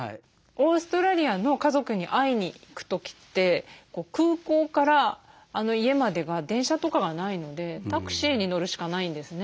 オーストラリアの家族に会いに行く時って空港から家までが電車とかがないのでタクシーに乗るしかないんですね。